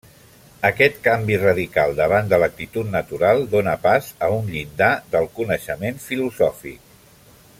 Aquest canvi radical davant de l'actitud natural dóna pas a un llindar del coneixement filosòfic.